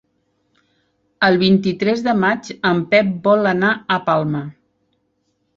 El vint-i-tres de maig en Pep vol anar a Palma.